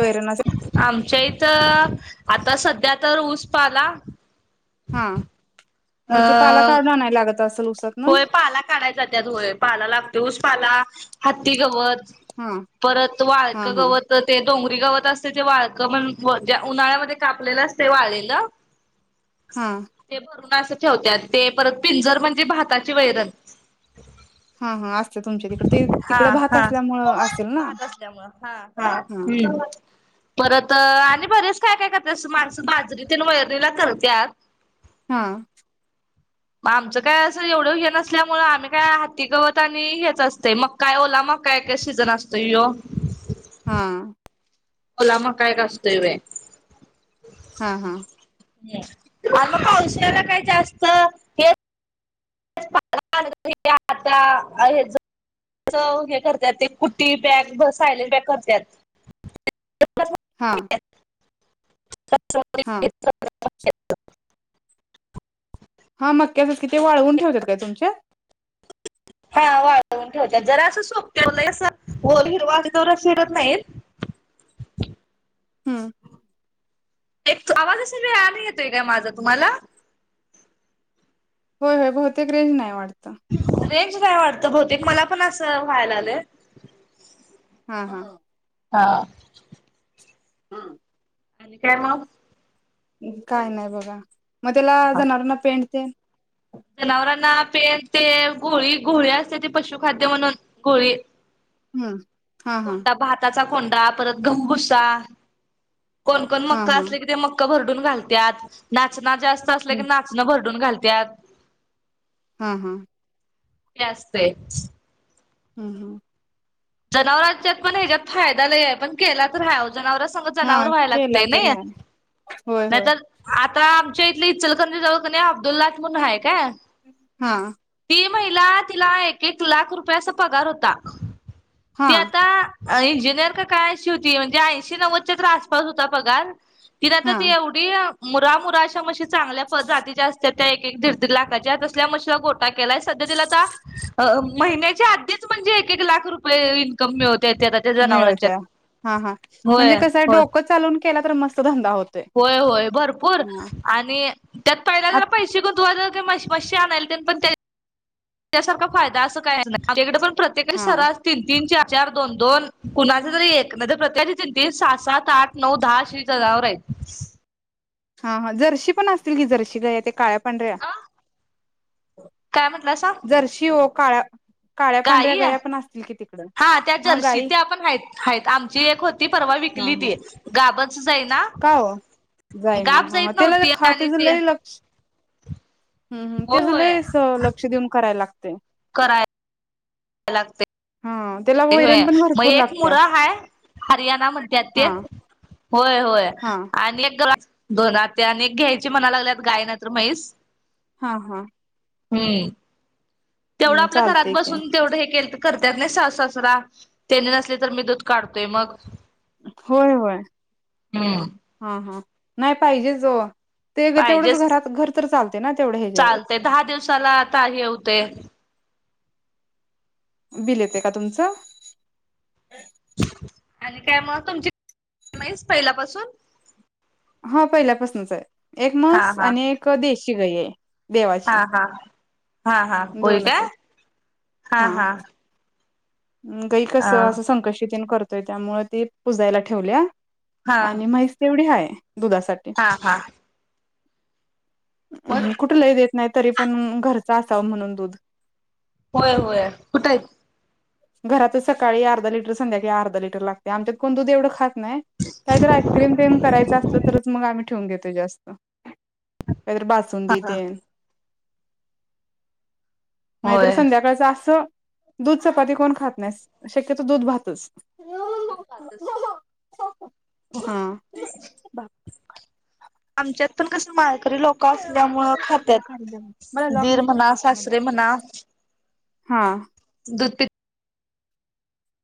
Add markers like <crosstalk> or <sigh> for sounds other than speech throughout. वैरण असे आमच्या इथं आता सध्या तर ऊस पाला हा. अ मग ते पाला काढं नाही लागत अस. होय पाला काढायचा त्यात होय पाला लागतो उस पाला. हत्ती गवत. हा परत हा वाळक हा गवत ते. डोंगरी गावत असते ते वाळ म्हण ज्या उन्हाळ्यामध्ये कापलेलं असते वाळेल. हा ठेवत तेत पिंजर म्हणजे त्याची वैरन. हा हा असते तुमच्या तिकडे ते हा तिकडे भात हा असल्यामुळ असेल ना भात असल्यामुळं हा हा. हम्म परत आणि बरेच काय काय तसं माणसं पाजरी व. तिला करत. हा. मग आमचं काय अस एवढं हे नसल्यामुळे आम्ही काय हाती गावत आणि हेच असतें मकाय ओला मकाय सीजन असतो य हा. होला मग काय कासतोय. हा हा मग कौशल्याला काय जास्त हे. आहे <unintelligible> हे करतात ते कुट्टी बॅग ब सायलेट बॅग करतात. हा. हा <unintelligible> <unintelligible> हा मक्क अस आहेत कि ते वाळवून ठेवतात काय तुमच्या. हा वाढवून ठेवच्या जरा असं सोपत असं गल हिरवा ज फिरत नाही. हम्म. एक आवाजचा वेळ आला येतोय का माझा तुम्हाला. होय होय बहुते रेंज नाही वाटते. रेंज काय वाटत बहतेक मला पण अस. वयला आले. हा हा. हा. हम्म आणि काय मग काय नाही बघा मग त्याला हा हा. ज नरना पेंटते जनावरांना पेन ते गोळी गोळी असते ते पशुखाद्य म्हणून गोळी हम्म हा हा चा कोंडा परत गमगुसा कोण कोण हा मक्क हा असले की ते मक्क भर घुन घालत्यात ना जास्त अस की हम्म नाचं भर घुन घालत हा हा ते अस असतच हम्म हम् जनावरांच्यात पण हच्यात फायदा ल आहे पण केला तर ह जना हा व्हा लाग केला नाही तर होय होय नाही आता आमच्या इथले इचलकरंजी जवळ का नाय अब्दुल्लाट म्हण आहे का हा ती महिला तिला एक एक लाख रुपयाचा पगार होता हा ते आता इंजिनिअर का काय अशी होती म्हणजे ऐंशी नव्वदच्या तर आसपास होता पगार तिला आता हा ती एवढी मुरा मुरा अशा मग चांगल्या जातीच्या असत त्या एक दीड दीड लाखाच्या तसल्या मशीला गोटा केलाय सध्या तला आ महिन्याच्या आधीच म्हणे एक एक लाख रुपय आपले इनकम मिळत मिळत्या हा हा होय म्हणजे कस होय डोक चालून ला तर मत धंदा होत होय होय भरपूर आणि त्यात पहिल्या जरा आत पैसे गुतवायचं मशी आणाय पण त्यासारखा फायदा असं काय आहे तिकडे पण प्रत्ये हा सरा तन तीन चार चार दोन दोन कुणाचे तरी एक नाही प्रत्यची जिंती सात सात आठ नऊ दहा अशी जनावर आहेत हा हा जर्शी पण असतील कि जर्शी ग ते काळ्या पांढऱ्या अ काय जर शिव काळ काई हा त्या जर्शी ते आपण आहेत आमची एक होती परवा हा विकली हा ती गाब का हो जाईना गाब हा जाईत त्याला नव्हती आणि खातच ते ल लक्ष. तेज होय ते लय अस लक्ष देऊन करायला लागत. कराय लागते. हा त्याला ते होय वैरण पण भरपूर मगं एक लागत्या मुरा हा हरियाणा म्हणतात ते हा होय होय हा आणि एक गं दोन आत्या आणि एक घ्यायचे म्हणा लागल्यात गाय नाही तर म्हैस हा हा. हम्म. तेवढं हम्म आपल्या घरात चालतय की बसून तेवढं हे केल करतात नाही सासु सासरा तेने नसले तर मी दूध काढतोय मगं, होय होय हा हा. नाही पाहिजेच हो. पाहिजे तेवढं ह्याच्यावर चालते दहा दिवसाला आता हे होते बिल येते का तुमचं? <unintelligible> आणि काय मगं तुमची म्हैस पहिल्यापासून? हा पहिल्यापासूनच आहे. एक हा मस हा आणि एक देशी. <inaudible> हा हा. हा हा होय दोनच काय आहेत हा हा.. गायी अ कसं असं संकष्ट त्यानी करत त्यामुळें ती पुजायला ठेवल्या. हा आणि म्हैस तेवढी हाय. दुधासाठी, हा हा मग हम्म कुठ लय देत. नाही तरी पण घरचा <unintelligible> होय होय कुठं आहेत. घरातच सकाळी अर्धा लिटर, संध्याकाळी, अर्धा लटर लागते आमच्यात कोण दूध एवढं खात <inaudible> ठेवून घेते जास्त. हा बासुदीं हा त्येन नाहीतर होय संध्याकाळच असं.. दूध चपाती. कोण खात नाहीस शक्यतो दूध भातच. दूध पाहतस हम. आमच्यात पण कस म तरी लोक असल्यामुळे खात्यात. मला लॉक दीर माहित नाही म्हणा, काकांना द्या सासरे म्हणा, हा दूध पीत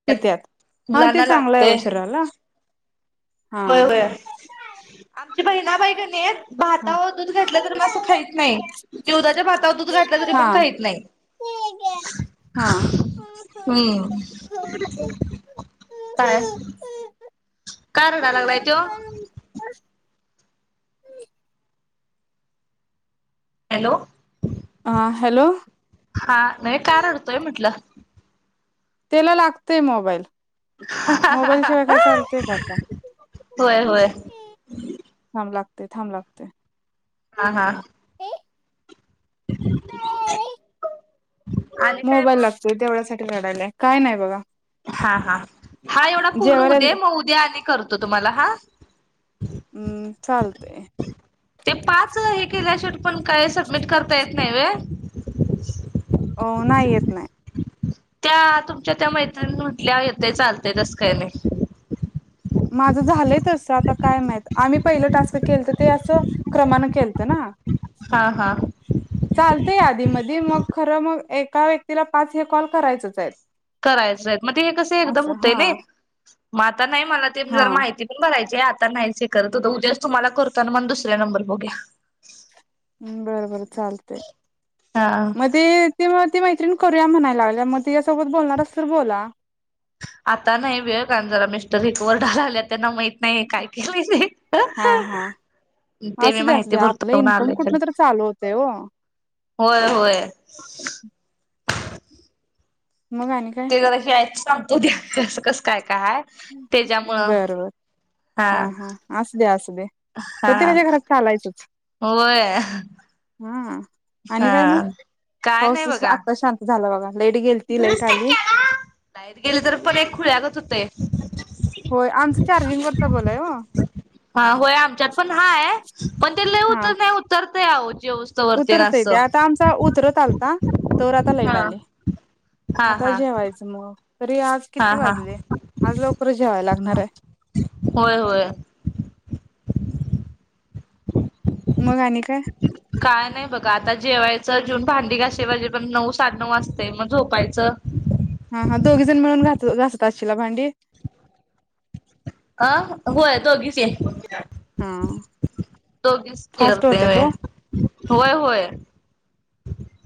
पित्यात. हा ते मुलांना चांगलं आहे ओ लागतय. शरीराला. हा होय होय. बहिणा बाई कणी हा भाता वर दूध घातलं तरी आस खाहीत नाही निवदाच्या भातावर दूध घातलं तरी हा पण खाहीत नाही. हा हम् काय? काय रडा लागलाय त्यो? हम् हॅलो अ, हॅलो. हा, नाही का रडतोय म्हटलं? त्याला लागतय मोबाईल. मोबाईल शिवाय काय चालतय का आता होय. होय. ते थांब लागते. हा हा, हा. रिकामा ऑडिओ मोबाईल लागतोय तेवढ्यासाठी. रडायलाय. काय नाय बगा. हा. हा. हा एवढा पूर्ण जेवायला हुदे. उद्या मग उद्या आणि करतो तुम्हाला हा. हम्म चालतय ते पाच हे केल्या शट पण काय सबमिट करता येत नाही व्हय. अ नाही येत नाय. त्या तुमच्या त्या मैत्रिणी म्हटल्या येतय चालतय तस काय नाही. माझं झालंय तसआता काय माहित आम्ही पहिलं टास्क केलत ते असं क्रमानं केलतं ना. हा, हा. चालतय आदिमदी मं खरं मग एका व्यक्तीला पाच हे कॉल करायचच आहेत. करायचय मग ते हे कस एकदम असं होते हा नाही मग आता नाही मला ते हा ज माहिती पण भरायची आ आता नाही करत हो उद्याच तुम्हाला करतो म दुसऱ्या नंबर बगु या. बर बर चालते हा मग ते ते म ती मैत्रीण.. करूया म्हणाय लागल्या मग तीया सोबत बोलणार असल तर बोला. आता नाही वेळ कारन जरा मिस्टर एक वरडा लागल्यात त्यांना माहित नाही काय केलय ते. हा हा ते मी असू द्या असू माहिती द्या भरत आपलं म्हनून इन्कम आलंय ते कुठनं तर चालू होतंय ओ व्हय व्हय. मग आणि काय? ते जरा हे आहेत सांगतो उद्या. <unintelligible> कसं काय. काय तेज्या मूळ बरं बरं हा हा असू दे असू दे हा प्रत्येकाच्या घरात चालायचंच व्हय. हा आ. आणि काय म काय पाऊस नाही जसं बघा. आत्ता शांत झाला बघा. लाईट <inaudible> गेलती लाईट आली. लाईट गेली तर पोर हे खुळ्यागत होतेय. <unintelligible> होय. आमचं चार्जिंगवरचा बल आहे हो हा हा होय आमच्यात पण हाय पण ते लई उतरल्यावर उत्तर <unintelligible> उतरतय. ते आता आमचा उतरत आलता तोवर आता लाईट हा. आली. हा आता हा जेवायचं मग तरी आज हा किती हा वाजले? आज लवकरच जेवाया लागणार आहे. होय होय. मग आणि काय काय नाही बघा, आता जेवाय तर जेवून भांडी घाशे वाजेपर्यंत पण नऊ, साडे नऊ वाजतय मग झोपायचं तू घासत असतील भांडी आ होय. दोघीच <unintelligible> <inaudible> हा दोघीच फास्ट जेवतंय होत्यात व्हय? ओ होय होय.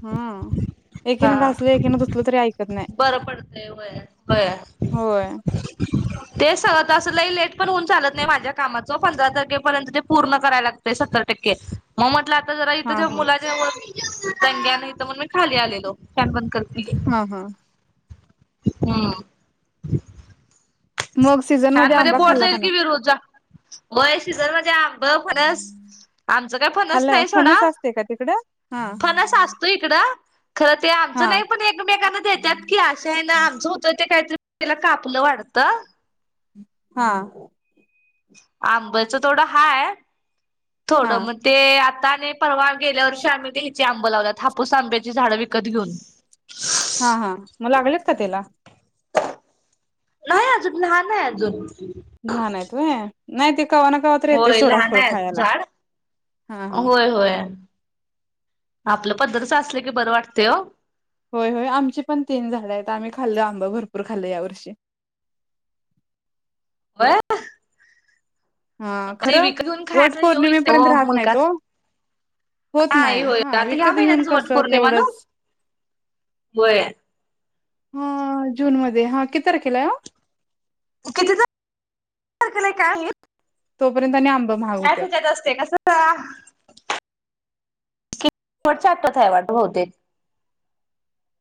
हम्म हा एकीनं घासलं, एकीनं धुसलं, तरी ऐकत नाही बरं पडतय, व्हय- व्हय होय ते <unintelligible> लई लेट पण होऊन चालत नाही. माझ्या कामाचं, पंधरा तारखेपर्यंत ते पूर्ण कराय लागतय सत्तर टक्के. मग म्हटलं आता आता जरा इथ <inaudible> हा ज्या हा मुलाच्या वर दंग्या नाही हित म्हणून मी खाली आलेलो. फॅन बंद करते. हा हा. हम्म मग सीझनमध्ये आंबा खाल्ला का नाय? व्हय सिझन मध्ये आम ब, फणस, आमचं काही फणस खाल्ला नाही सोडा. फणस असते का तिकडं? हा फणस असतो इकडं खरं ते आमचं हा नाही. पण एकमेकांना देत्यात की अशा ह्यान आमचं होतं ते काहीतरी त्याला कापलं वाट त हा. आंब्याचं थोडं हाय थोडं हा. मगं ते आता आणि परवा गेल्यावर वर्षी आंब लावल्यात, हापूस आंब्याची झाड विकत घेऊन. हा हा मगं लागल्यात का त त्याला? नाही अजून लहान आहे अजून. लहान आहेत होय? नाही ते- कवा ना कवा तर येते होय सोडा लहान फळ आहे खायला झाड हा हा होय होय. आपलं पद्धरचं असल की बरं वाटतय हो, होय होय आमचे पण तीन झाले आहेत. आम्ही खाल्लो आंब भरपूर खाल्ल या वर्षी होय. हा ते खरं विकत घेऊन खायचं हे होईत नाही वटपौर्णिमेपर्यंत ओ राहत नाहीत ओ मुलकाच होत नाही होय ह आता ह्या विकत घेऊन महिन्यातच वट कस पौर्णिमा ना तेवढच होय हा. हा किती तारखेळा हाय ओ? किती तारखेळा आहे काय माहित. तोपर्यंत <inaudible> <unintelligible> <inaudible>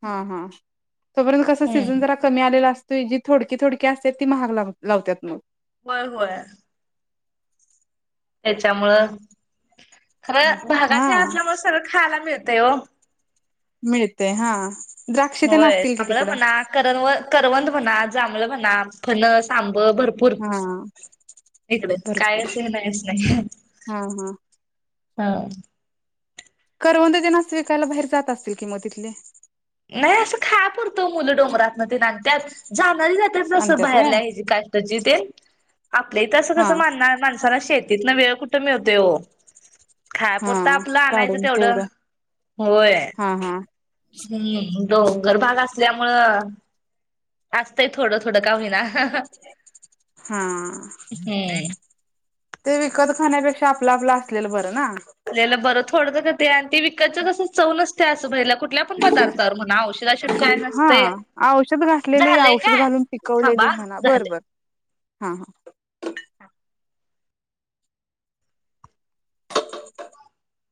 हा हा. तोपर्यंत कस हम्म सीझन जरा कमी आलेला असत <inaudible> होय होय. त्याच्यामुळं. खरं हा भागाात असल्यामुळे सगळं खायला मिळत ते ओ. मिळतयं हा. द्राक्ष तेन होय असतील की जांभळं तिकडं म्हणा, कर करवंद म्हणा, जांभळे म्हणा, फणस, तांब भरपूर हा इकडे भरपूर काय हे नाहीच नाही असं नाही. हा हा हा. करवंद त्यांना असं विकायला बाहेर जात असतील कि मगं तिथली? नाही असं खाय पुरतं मुलं डोंगरातन तेन आणत्यात जात जस आणत्यात बाहेर व्हय ह काष्टची ते आपल्या इथं हा कस मान माणसाला शेती तिथन वेळ कुठं मिळतोय ओ खाया हा पुरत आपलं आणायचं तेवढं होय. हा हा हम्म डोंगर भाग असल्यामुळ असतय थोडं थोडं का होईना हा हम्म. ते विकत खाण्यापेक्षा आपलं आपलं असलेल बरं ना असल्याललंबरं थोडं ते आणी ते विकतच कसं चव च असं बहिरलं हा नसते औषध घातलेले झालंय औषध काय घालून पिकवलेले थांबा म्हणा बर झालंय बर हा हा